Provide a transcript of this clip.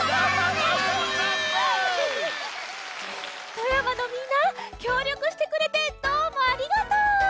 富山のみんなきょうりょくしてくれてどうもありがとう！